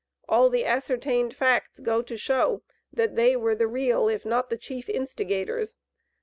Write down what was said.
All the ascertained facts go to show that they were the real, if not the chief instigators.